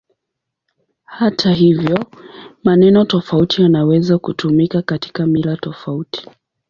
Hata hivyo, maneno tofauti yanaweza kutumika katika mila tofauti.